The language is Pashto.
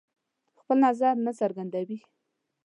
خپل نظر نه څرګندوي.